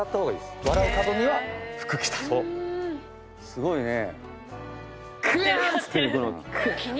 すごいね。